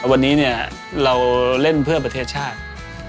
วันนี้เนี่ยเราเล่นเพื่อประเทศชาติ